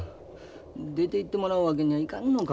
出ていってもらうわけにはいかんのか。